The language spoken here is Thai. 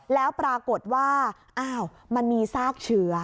แล้วปรากฏว่าอ้าวมันมีซากเชื้อ